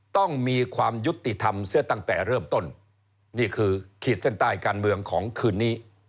ต้องมีความยุติธรรมเสียตั้งแต่เริ่มต้นนี่คือขีดเส้นใต้การเมืองของคืนนี้